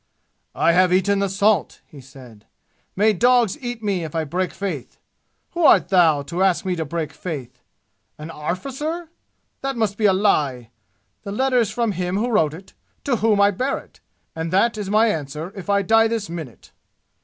"I have eaten the salt!" he said. "May dogs eat me if I break faith! Who art thou, to ask me to break faith? An arrficer? That must be a lie! The letter is from him who wrote it, to whom I bear it and that is my answer if I die this minute!"